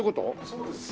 そうです。